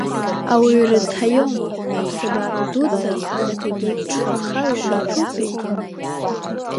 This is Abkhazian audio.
Ауаҩы рыцҳа иоума, аԥсабара дуӡӡа ахаҭагьы гхаԥхала иҭәупеи…